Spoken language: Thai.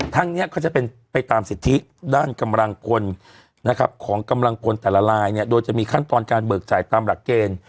ทั้งนี้ก็จะเป็นไปตามสิทธิด้านกำลังพลนะครับของกำลังพลแต่ละลายเนี่ยโดยจะมีขั้นตอนการเบิกจ่ายตามหลักเกณฑ์